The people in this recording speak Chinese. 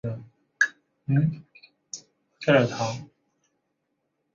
要求媳妇放在仓库